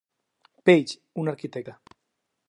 Page, un arquitecte.